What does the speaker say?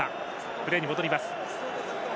プレーに戻ります。